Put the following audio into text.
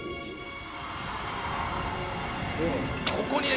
「ここにね